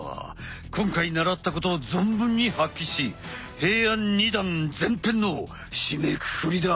今回習ったことを存分に発揮し平安二段前編の締めくくりだ！